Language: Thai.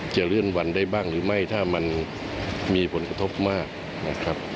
จะเลื่อนวันได้บ้างหรือไม่ถ้ามันมีผลกระทบมากนะครับ